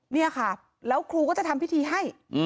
นี่ค่ะแล้วครูก็จะทำพิธีให้